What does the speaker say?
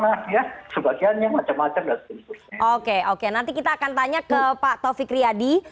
dan sebagainya oke oke nanti kita akan tanya ke pak taufik riyadi